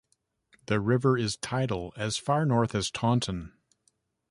The river is tidal as far north as Taunton.